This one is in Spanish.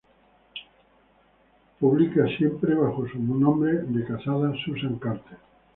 Publica siempre bajo su nombre de casada Susan Carter.